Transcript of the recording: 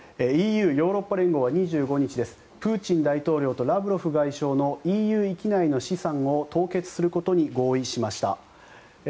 ＥＵ・ヨーロッパ連合は２５日プーチン大統領とラブロフ外相のＥＵ域内の資産を凍結することに合意しました。